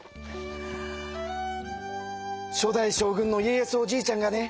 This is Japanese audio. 初代将軍の家康おじいちゃんがね